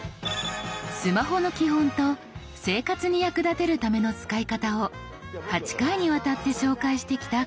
スマホの基本と生活に役立てるための使い方を８回にわたって紹介してきたこのシリーズ。